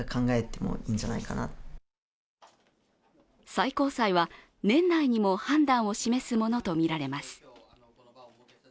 最高裁は年内にも判断を示すものとみられます。